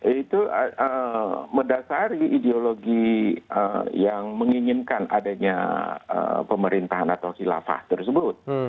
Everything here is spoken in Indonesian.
itu mendasari ideologi yang menginginkan adanya pemerintahan atau khilafah tersebut